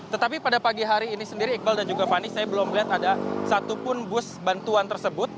tetapi pada pagi hari ini sendiri iqbal dan juga fani saya belum melihat ada satupun bus bantuan tersebut